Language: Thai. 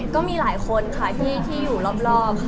ก็มีหลายคนที่อยู่รอบ